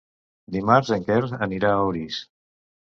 Dimarts en Quer anirà a Orís.